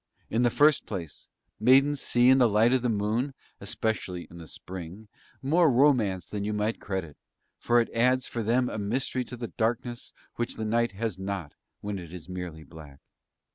In the first place maidens see in the light of the moon, especially in the Spring, more romance than you might credit, for it adds for them a mystery to the darkness which the night has not when it is merely black.